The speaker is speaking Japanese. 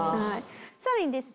さらにですね